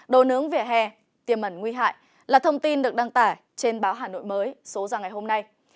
đồ nướng vỉa hè tiềm ẩn nguy hại là thông tin được đăng tải trên báo hà nội mới số ra ngày hôm nay